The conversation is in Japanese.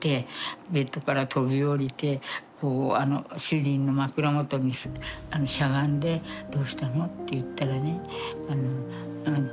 でベッドから飛び降りて主人の枕元にしゃがんで「どうしたの」って言ったらね。